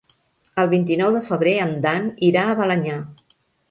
El vint-i-nou de febrer en Dan irà a Balenyà.